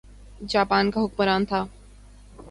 Japan کا حکمران تھا۔